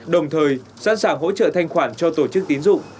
đồng thời sẵn sàng hỗ trợ thanh khoản cho tổ chức tín dụng